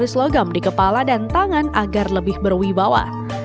dan aksesori selogam di kepala dan tangan agar lebih berwibawa